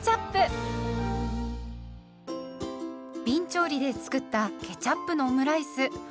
びん調理で作ったケチャップのオムライス。